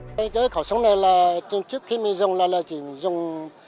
đối với khảo sống này là trước khi mình dùng là chỉ dùng